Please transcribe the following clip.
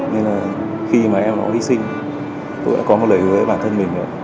nên là khi mà em nói hy sinh tôi đã có một lời hứa với bản thân mình